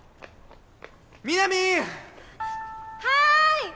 はい！